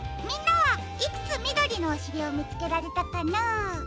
みんなはいくつみどりのおしりをみつけられたかな？